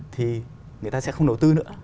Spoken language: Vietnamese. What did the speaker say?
thì người ta sẽ không đầu tư nữa